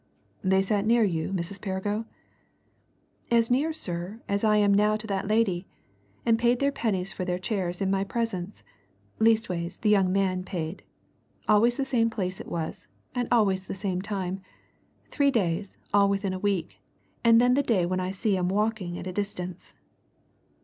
"They sat near you, Mrs. Perrigo?" "As near, sir, as I am now to that lady. And paid their pennies for their chairs in my presence; leastways, the young man paid. Always the same place it was, and always the same time three days all within a week, and then the day when I see 'em walking at a distance."